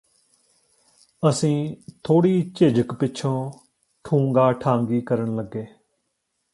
ਅਸੀਂ ਥੋੜ੍ਹੀ ਝਿਜਕ ਪਿੱਛੋਂ ਠੂੰਗਾ ਠਾਂਗੀ ਕਰਨ ਲੱਗੇ